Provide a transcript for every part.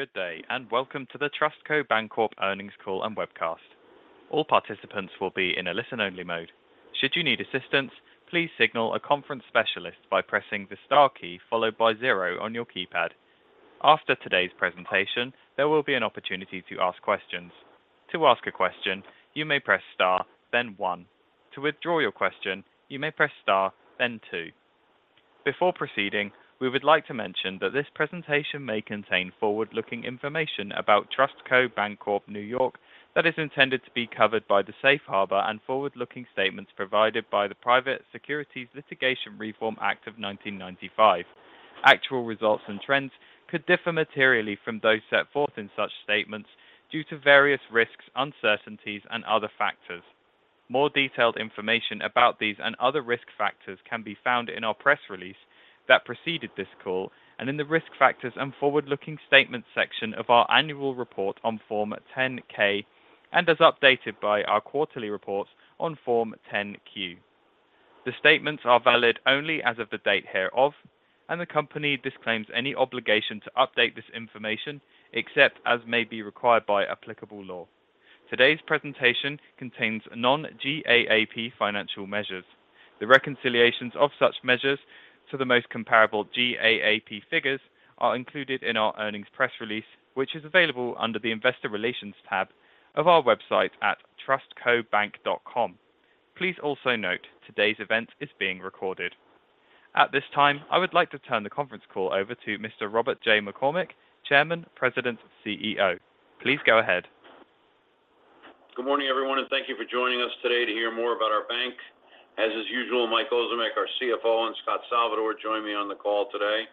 Good day, and welcome to the TrustCo Bank Corp NY earnings call and webcast. All participants will be in a listen-only mode. Should you need assistance, please signal a conference specialist by pressing the star key followed by zero on your keypad. After today's presentation, there will be an opportunity to ask questions. To ask a question, you may press star then one. To withdraw your question, you may press star then two. Before proceeding, we would like to mention that this presentation may contain forward-looking information about TrustCo Bank Corp NY, New York, that is intended to be covered by the safe harbor and forward-looking statements provided by the Private Securities Litigation Reform Act of 1995. Actual results and trends could differ materially from those set forth in such statements due to various risks, uncertainties, and other factors. More detailed information about these and other risk factors can be found in our press release that preceded this call and in the risk factors and forward-looking statements section of our annual report on Form 10-K and as updated by our quarterly reports on Form 10-Q. The statements are valid only as of the date hereof, and the company disclaims any obligation to update this information except as may be required by applicable law. Today's presentation contains non-GAAP financial measures. The reconciliations of such measures to the most comparable GAAP figures are included in our earnings press release, which is available under the Investor Relations tab of our website at trustcobank.com. Please also note today's event is being recorded. At this time, I would like to turn the conference call over to Mr. Robert J. McCormick, Chairman, President, CEO. Please go ahead. Good morning, everyone, and thank you for joining us today to hear more about our bank. As is usual, Mike Ozimek, our CFO, and Scot Salvador join me on the call today.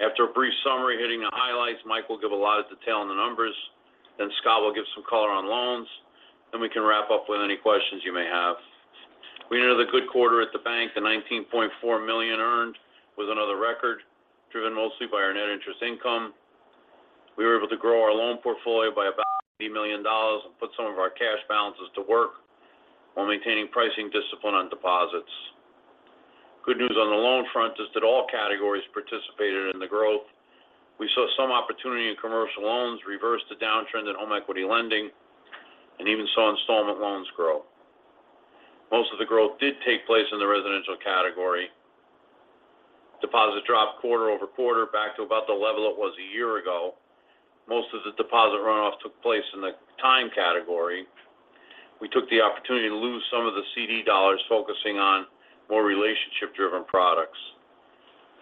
After a brief summary hitting the highlights, Mike will give a lot of detail on the numbers. Scot will give some color on loans. We can wrap up with any questions you may have. We ended another good quarter at the bank. The $19.4 million earned was another record driven mostly by our net interest income. We were able to grow our loan portfolio by about $8 million and put some of our cash balances to work while maintaining pricing discipline on deposits. Good news on the loan front is that all categories participated in the growth. We saw some opportunity in commercial loans reverse the downtrend in home equity lending and even saw installment loans grow. Most of the growth did take place in the residential category. Deposits dropped quarter-over-quarter back to about the level it was a year ago. Most of the deposit runoff took place in the time category. We took the opportunity to lose some of the CD dollars, focusing on more relationship-driven products.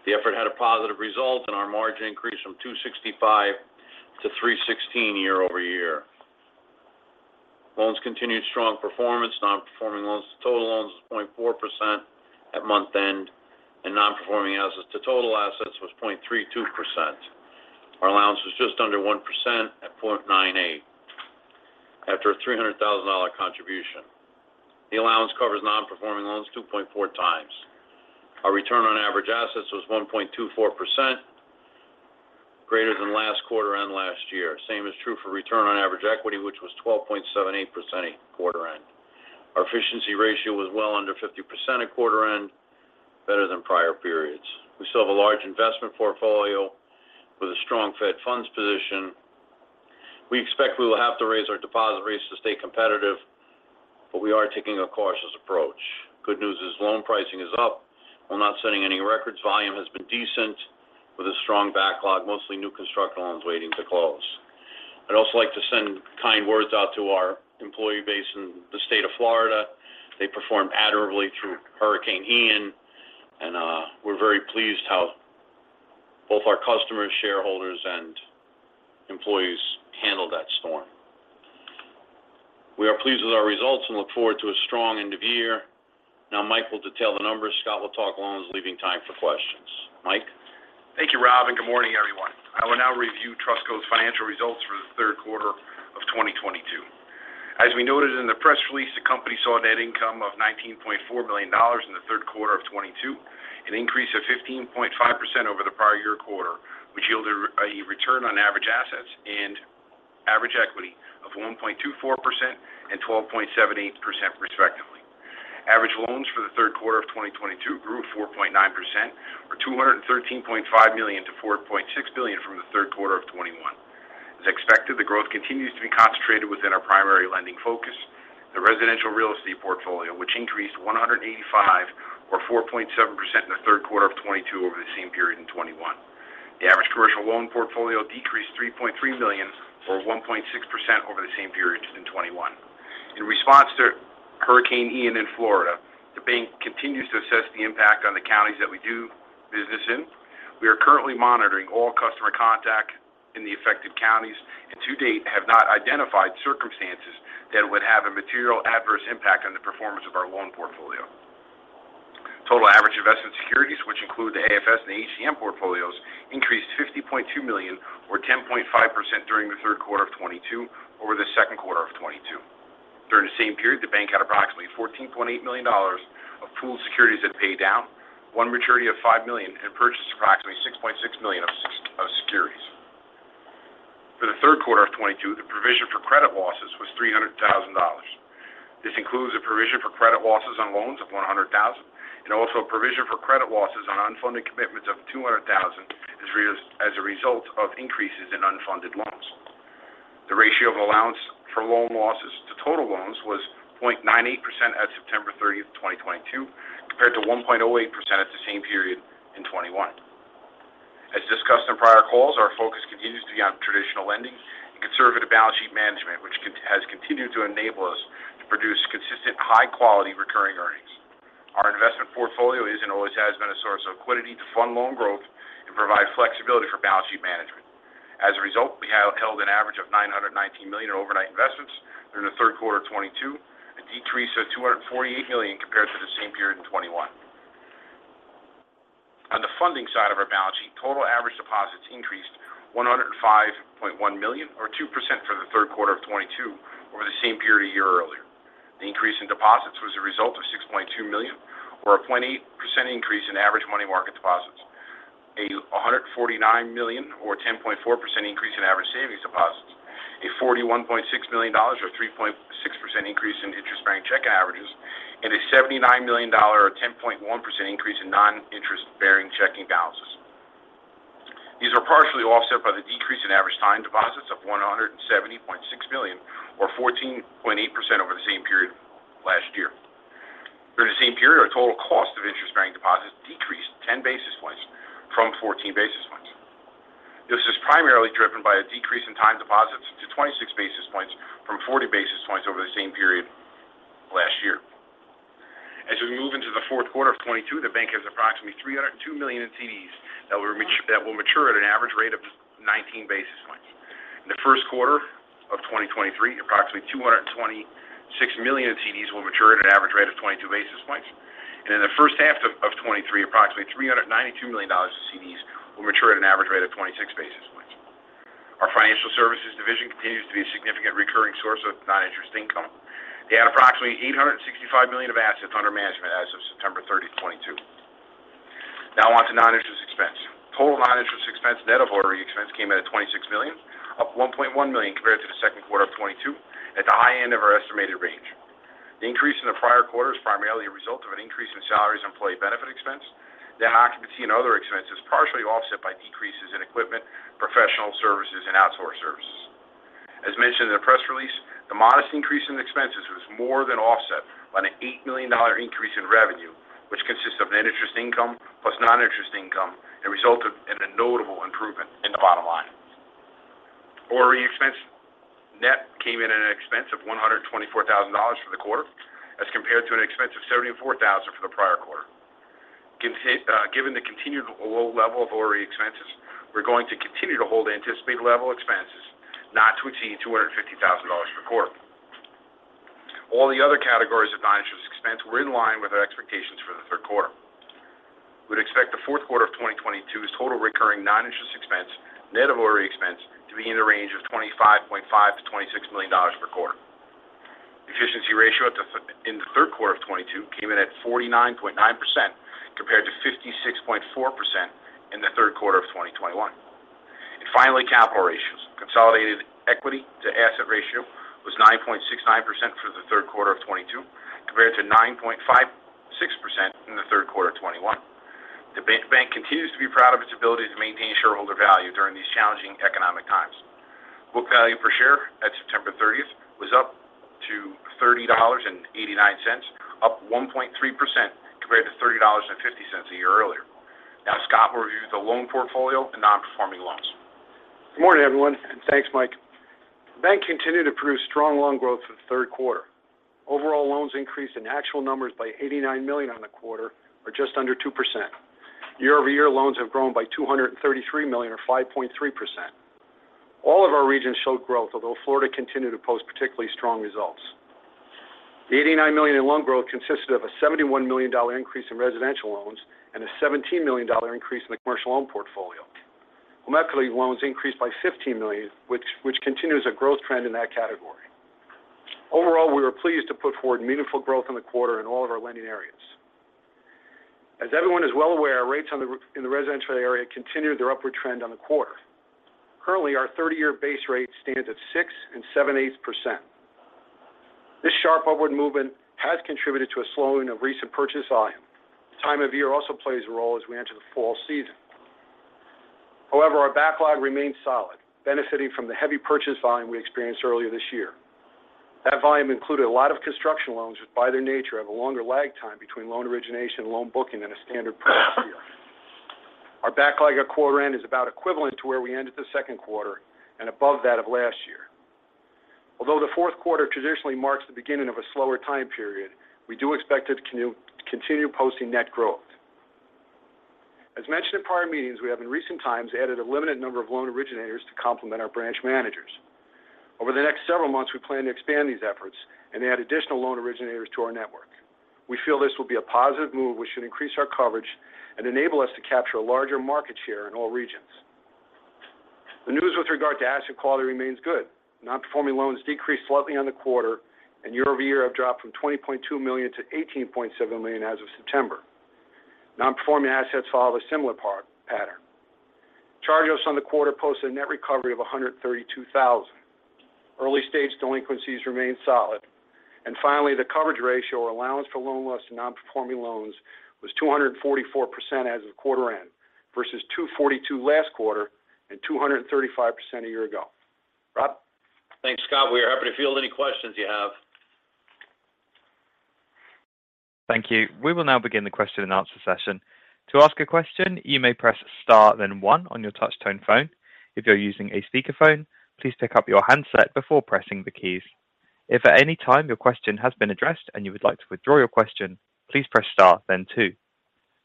The effort had a positive result, and our margin increased from 2.65% to 3.16% year-over-year. Loans continued strong performance. Non-performing loans to total loans was 0.4% at month-end, and non-performing assets to total assets was 0.32%. Our allowance was just under 1% at 0.98% after a $300,000 contribution. The allowance covers non-performing loans 2.4 times. Our return on average assets was 1.24% greater than last quarter and last year. Same is true for return on average equity, which was 12.78% quarter end. Our efficiency ratio was well under 50% at quarter end, better than prior periods. We still have a large investment portfolio with a strong Fed funds position. We expect we will have to raise our deposit rates to stay competitive, but we are taking a cautious approach. Good news is loan pricing is up. We're not setting any records. Volume has been decent with a strong backlog, mostly new construction loans waiting to close. I'd also like to send kind words out to our employee base in the state of Florida. They performed admirably through Hurricane Ian, and we're very pleased how both our customers, shareholders, and employees handled that storm. We are pleased with our results and look forward to a strong end of year. Now Mike will detail the numbers. Scot will talk loans, leaving time for questions. Mike? Thank you, Rob, and good morning, everyone. I will now review TrustCo's financial results for the third quarter of 2022. As we noted in the press release, the company saw a net income of $19.4 million in the third quarter of 2022, an increase of 15.5% over the prior year quarter, which yielded a return on average assets and average equity of 1.24% and 12.78%, respectively. Average loans for the third quarter of 2022 grew 4.9% or $213.5 million to $4.6 billion from the third quarter of 2021. As expected, the growth continues to be concentrated within our primary lending focus, the residential real estate portfolio, which increased $185 or 4.7% in the third quarter of 2022 over the same period in 2021. The average commercial loan portfolio decreased $3.3 million or 1.6% over the same period in 2021. In response to Hurricane Ian in Florida, the bank continues to assess the impact on the counties that we do business in. We are currently monitoring all customer contact in the affected counties and to date have not identified circumstances that would have a material adverse impact on the performance of our loan portfolio. Total average investment securities, which include the AFS and the HTM portfolios, increased $50.2 million or 10.5% during the third quarter of 2022 over the second quarter of 2022. During the same period, the bank had approximately $14.8 million of pooled securities that paid down 1 maturity of $5 million and purchased approximately $6.6 million of securities. For the third quarter of 2022, the provision for credit losses was $300,000. This includes a provision for credit losses on loans of $100,000, and also a provision for credit losses on unfunded commitments of $200,000 as a result of increases in unfunded loans. The ratio of allowance for loan losses to total loans was 0.98% at September 30, 2022, compared to 1.08% at the same period in 2021. As discussed in prior calls, our focus continues to be on traditional lending and conservative balance sheet management, which has continued to enable us to produce consistent, high-quality recurring earnings. Our investment portfolio is and always has been a source of liquidity to fund loan growth and provide flexibility for balance sheet management. As a result, we have held an average of $919 million in overnight investments during the third quarter of 2022. A decrease of $248 million compared to the same period in 2021. On the funding side of our balance sheet, total average deposits increased $105.1 million or 2% for the third quarter of 2022 over the same period a year earlier. The increase in deposits was a result of $6.2 million or 0.8% increase in average money market deposits. $149 million or 10.4% increase in average savings deposits. A $41.6 million or 3.6% increase in interest-bearing check averages, and a $79 million or 10.1% increase in non-interest-bearing checking balances. These are partially offset by the decrease in average time deposits of $170.6 million or 14.8% over the same period last year. During the same period, our total cost of interest-bearing deposits decreased 10 basis points from 14 basis points. This is primarily driven by a decrease in time deposits to 26 basis points from 40 basis points over the same period last year. As we move into the fourth quarter of 2022, the bank has approximately $302 million in CDs that will mature at an average rate of 19 basis points. In the first quarter of 2023, approximately $226 million in CDs will mature at an average rate of 22 basis points. In the first half of 2023, approximately $392 million of CDs will mature at an average rate of 26 basis points. Our Financial Services Department continues to be a significant recurring source of non-interest income. They had approximately $865 million of assets under management as of September 30, 2022. Now on to non-interest expense. Total non-interest expense, net of OREO expense came in at $26 million, up $1.1 million compared to the second quarter of 2022 at the high end of our estimated range. The increase in the prior quarter is primarily a result of an increase in salaries and employee benefit expense, then occupancy and other expenses, partially offset by decreases in equipment, professional services, and outsourced services. As mentioned in the press release, the modest increase in expenses was more than offset by an $8 million increase in revenue, which consists of net interest income plus non-interest income, and resulted in a notable improvement in the bottom line. OREO expense net came in at an expense of $124,000 for the quarter as compared to an expense of $74,000 for the prior quarter. Given the continued low level of OREO expenses, we're going to continue to hold anticipated level expenses not to exceed $250,000 per quarter. All the other categories of non-interest expense were in line with our expectations for the third quarter. We'd expect the fourth quarter of 2022's total recurring non-interest expense, net of OREO expense, to be in the range of $25.5 million-$26 million per quarter. Efficiency ratio in the third quarter of 2022 came in at 49.9% compared to 56.4% in the third quarter of 2021. Finally, capital ratios. Consolidated equity to asset ratio was 9.69% for the third quarter of 2022 compared to 9.56% in the third quarter of 2021. The bank continues to be proud of its ability to maintain shareholder value during these challenging economic times. Book value per share at September 30 was up to $30.89, up 1.3% compared to $30.50 a year earlier. Now Scot will review the loan portfolio and non-performing loans. Good morning, everyone, and thanks, Mike. The bank continued to produce strong loan growth for the third quarter. Overall loans increased in actual numbers by $89 million on the quarter or just under 2%. Year-over-year loans have grown by $233 million or 5.3%. All of our regions showed growth, although Florida continued to post particularly strong results. The $89 million in loan growth consisted of a $71 million dollar increase in residential loans and a $17 million dollar increase in the commercial loan portfolio. Home equity loans increased by $15 million which continues a growth trend in that category. Overall, we were pleased to put forward meaningful growth in the quarter in all of our lending areas. As everyone is well aware, rates in the residential area continued their upward trend on the quarter. Currently, our 30-year base rate stands at 6 7/8%. This sharp upward movement has contributed to a slowing of recent purchase volume. Time of year also plays a role as we enter the fall season. However, our backlog remains solid, benefiting from the heavy purchase volume we experienced earlier this year. That volume included a lot of construction loans which, by their nature, have a longer lag time between loan origination and loan booking than a standard purchase year. Our backlog at quarter end is about equivalent to where we ended the second quarter and above that of last year. Although the fourth quarter traditionally marks the beginning of a slower time period, we do expect it to continue posting net growth. As mentioned in prior meetings, we have in recent times added a limited number of loan originators to complement our branch managers. Over the next several months, we plan to expand these efforts and add additional loan originators to our network. We feel this will be a positive move which should increase our coverage and enable us to capture a larger market share in all regions. The news with regard to asset quality remains good. Non-performing loans decreased slightly on the quarter and year-over-year have dropped from $20.2 million to $18.7 million as September. Non-performing assets follow a similar path. Charge-offs on the quarter posted a net recovery of $132,000. Early-stage delinquencies remain solid. Finally, the coverage ratio or allowance for loan losses to non-performing loans was 244% as of quarter end versus 242% last quarter and 235% a year ago. Rob? Thanks, Scot. We are happy to field any questions you have. Thank you. We will now begin the question and answer session. To ask a question, you may press star then one on your touch tone phone. If you're using a speaker phone, please pick up your handset before pressing the keys. If at any time your question has been addressed and you would like to withdraw your question, please press star then two.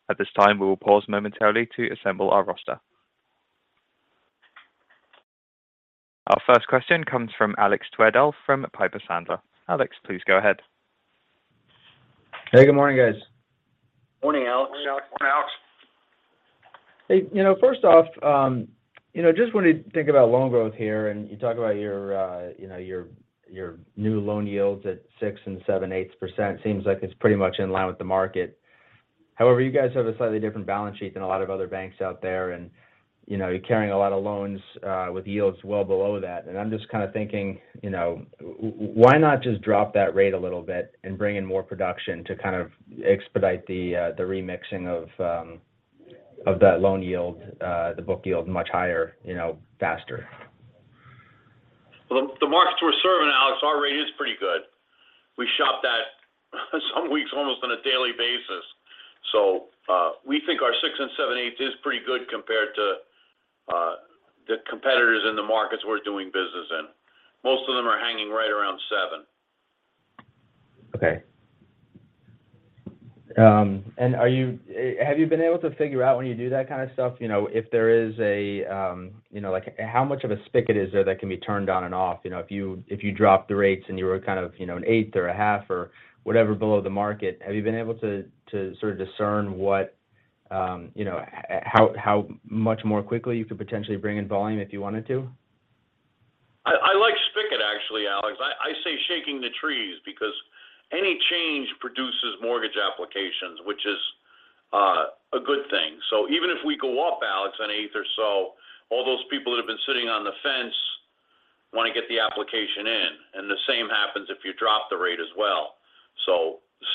At this time, we will pause momentarily to assemble our roster. Our first question comes from Alexander Twerdahl from Piper Sandler. Alex, please go ahead. Hey, good morning, guys. Morning, Alex. Hey, you know, first off, you know, just wanted to think about loan growth here, and you talk about your, you know, your new loan yields at 6.875%. Seems like it's pretty much in line with the market. However, you guys have a slightly different balance sheet than a lot of other banks out there, and, you know, you're carrying a lot of loans with yields well below that. I'm just kind of thinking, you know, why not just drop that rate a little bit and bring in more production to kind of expedite the remixing of that loan yield, the book yield much higher, you know, faster? Well, the markets we're serving, Alex, our rate is pretty good. We shop that some weeks almost on a daily basis. We think our 6 and 7/8 is pretty good compared to the competitors in the markets we're doing business in. Most of them are hanging right around 7. Okay. Have you been able to figure out when you do that kind of stuff, you know, if there is a you know, like how much of a spigot is there that can be turned on and off? You know, if you drop the rates and you were kind of, you know, an eighth or a half or whatever below the market, have you been able to sort of discern what you know, how much more quickly you could potentially bring in volume if you wanted to? I like spigot actually, Alex. I say shaking the trees because any change produces mortgage applications, which is a good thing. Even if we go up, Alex, an eighth or so, all those people that have been sitting on the fence want to get the application in. The same happens if you drop the rate as well.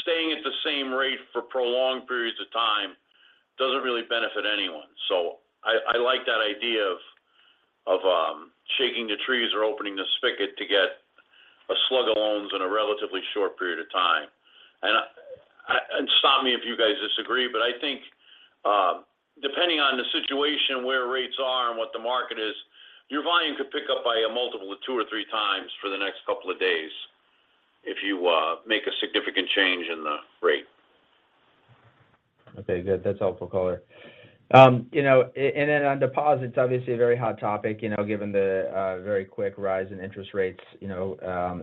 Staying at the same rate for prolonged periods of time doesn't really benefit anyone. I like that idea of shaking the trees or opening the spigot to get a slug of loans in a relatively short period of time. Stop me if you guys disagree, but I think, depending on the situation, where rates are and what the market is, your volume could pick up by a multiple of 2 or 3 times for the next couple of days if you make a significant change in the rate. Okay, good. That's helpful color. You know, and then on deposits, obviously a very hot topic, you know, given the very quick rise in interest rates, you know,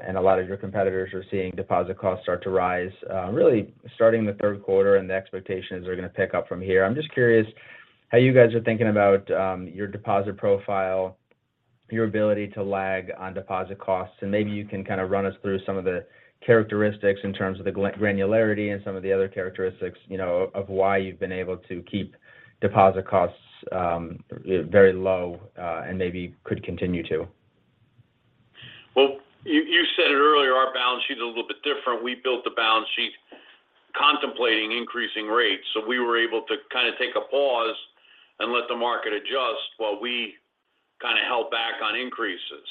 and a lot of your competitors are seeing deposit costs start to rise, really starting the third quarter and the expectations are going to pick up from here. I'm just curious how you guys are thinking about your deposit profile, your ability to lag on deposit costs. Maybe you can kind of run us through some of the characteristics in terms of the granularity and some of the other characteristics, you know, of why you've been able to keep deposit costs very low, and maybe could continue to. Well, you said it earlier, our balance sheet is a little bit different. We built the balance sheet contemplating increasing rates, so we were able to kind of take a pause and let the market adjust while we kind of held back on increases.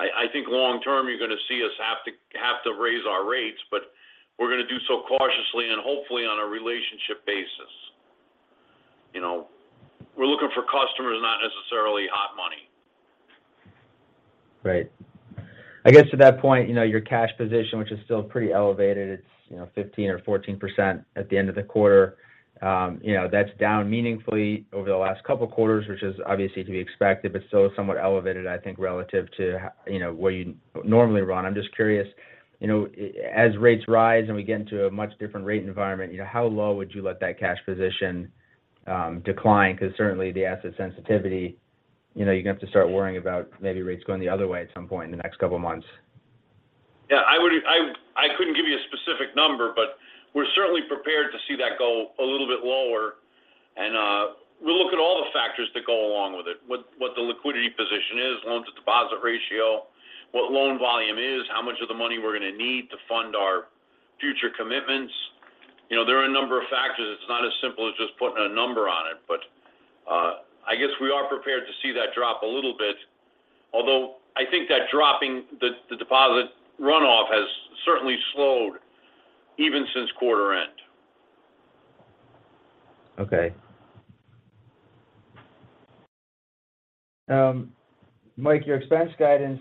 I think long term, you're going to see us have to raise our rates, but we're going to do so cautiously and hopefully on a relationship basis. You know, we're looking for customers, not necessarily hot money. Right. I guess to that point, you know, your cash position, which is still pretty elevated, it's, you know, 15% or 14% at the end of the quarter. You know, that's down meaningfully over the last couple of quarters, which is obviously to be expected, but still somewhat elevated, I think, relative to you know, what you normally run. I'm just curious, you know, as rates rise and we get into a much different rate environment, you know, how low would you let that cash position decline? Because certainly the asset sensitivity, you know, you're going to have to start worrying about maybe rates going the other way at some point in the next couple of months. I couldn't give you a specific number, but we're certainly prepared to see that go a little bit lower. We'll look at all the factors that go along with it, what the liquidity position is, loan-to-deposit ratio, what loan volume is, how much of the money we're going to need to fund our future commitments. You know, there are a number of factors. It's not as simple as just putting a number on it. I guess we are prepared to see that drop a little bit. Although I think that dropping the deposit runoff has certainly slowed even since quarter end. Okay. Mike, your expense guidance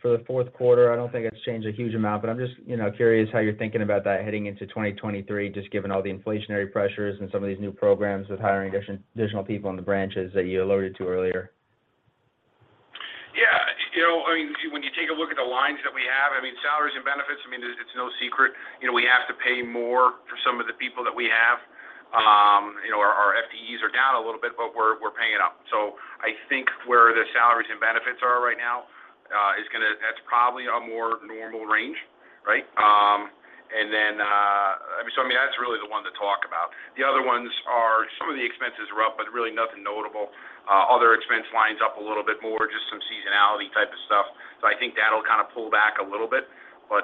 for the fourth quarter, I don't think it's changed a huge amount, but I'm just, you know, curious how you're thinking about that heading into 2023, just given all the inflationary pressures and some of these new programs with hiring additional people in the branches that you alluded to earlier. Yeah. You know, I mean, when you take a look at the lines that we have, I mean, salaries and benefits, I mean, it's no secret. You know, we have to pay more for some of the people that we have. You know, our FTEs are down a little bit, but we're paying it up. I think where the salaries and benefits are right now, that's probably a more normal range, right? I mean, that's really the one to talk about. The other ones are some of the expenses are up, but really nothing notable. Other expense lines up a little bit more, just some seasonality type of stuff. I think that'll kind of pull back a little bit. I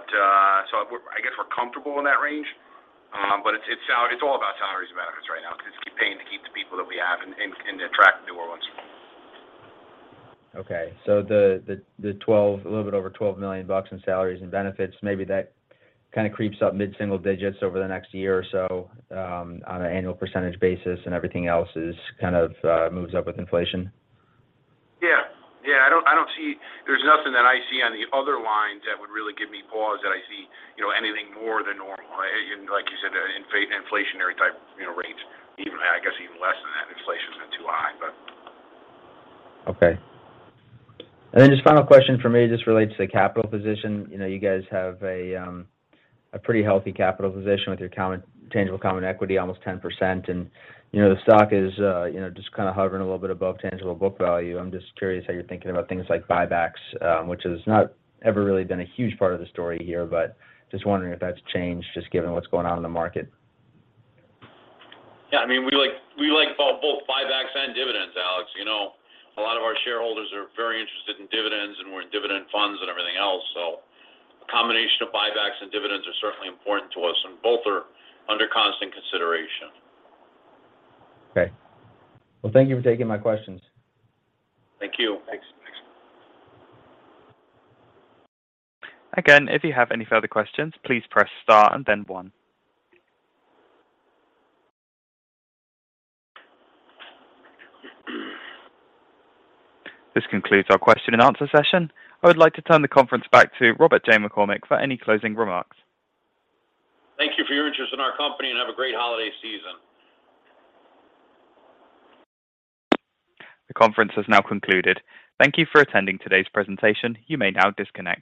guess we're comfortable in that range. It's all about salaries and benefits right now 'cause it's paying to keep the people that we have and attract new ones. Okay. The 12, a little bit over $12 million in salaries and benefits, maybe that kind of creeps up mid-single digits over the next year or so, on an annual percentage basis, and everything else is kind of moves up with inflation. Yeah. Yeah. I don't see. There's nothing that I see on the other lines that would really give me pause that I see, you know, anything more than normal. Like you said, a non-inflationary type, you know, rates, even, I guess even less than that. Inflation's been too high, but. Okay. Just final question from me, just relates to the capital position. You know, you guys have a pretty healthy capital position with your common, tangible common equity almost 10%. You know, the stock is, you know, just kind of hovering a little bit above tangible book value. I'm just curious how you're thinking about things like buybacks, which has not ever really been a huge part of the story here, but just wondering if that's changed just given what's going on in the market. Yeah, I mean, we like both buybacks and dividends, Alex. You know, a lot of our shareholders are very interested in dividends, and we're in dividend funds and everything else. A combination of buybacks and dividends are certainly important to us, and both are under constant consideration. Okay. Well, thank you for taking my questions. Thank you. Thanks. Again, if you have any further questions, please press star and then one. This concludes our question and answer session. I would like to turn the conference back to Robert J. McCormick for any closing remarks. Thank you for your interest in our company. Have a great holiday season. The conference has now concluded. Thank you for attending today's presentation. You may now disconnect.